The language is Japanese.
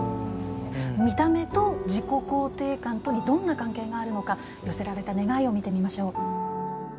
見た目と自己肯定感とにどんな関係があるのか寄せられた願いを見てみましょう。